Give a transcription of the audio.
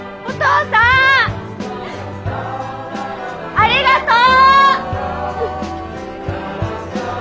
ありがとう！